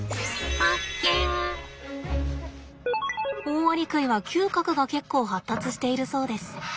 オオアリクイは嗅覚が結構発達しているそうです。